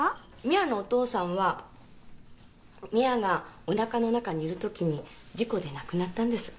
美也のお父さんは美也がおなかの中にいるときに事故で亡くなったんです。